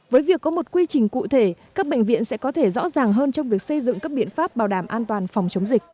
với việc có một quy trình cụ thể các bệnh viện sẽ có thể rõ ràng hơn trong việc xây dựng các biện pháp bảo đảm an toàn phòng chống dịch